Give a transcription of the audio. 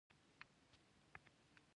خلک د انځورونو لیدلو ته ځي.